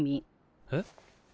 えっ？